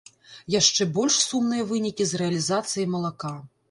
Яшчэ больш сумныя вынікі з рэалізацыяй малака.